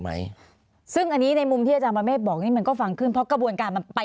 ไหมซึ่งอันนี้ในมุมที่อาจารย์ประเมฆบอกนี่มันก็ฟังขึ้นเพราะกระบวนการมันไป